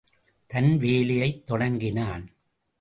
தன் வேலையைத் தொடங்கினான்.